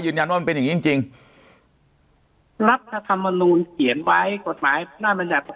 ยืนยันว่ามันเป็นอย่างงี้จริงรัฐธรรมนุนเขียนไว้กฎหมายนั่นมันอยาก